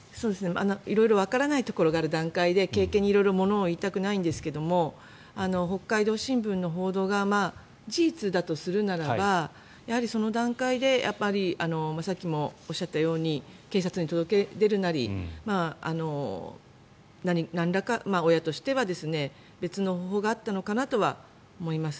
色々わからないことがある段階で色々、軽々にものを言いたくないんですが北海道新聞の報道が事実だとするならばやはり、その段階でさっきもおっしゃったように警察に届け出るなりなんらか親としては別の方法があったのかなとは思います。